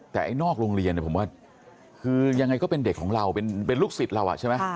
แต่ไอ้นอกโรงเรียนผมว่าคือยังไงก็เป็นเด็กของเราเป็นลูกศิษย์เราใช่ไหม